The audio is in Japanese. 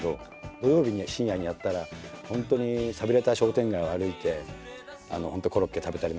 土曜日の深夜にやったら本当に寂れた商店街を歩いて本当コロッケ食べたりなんかして。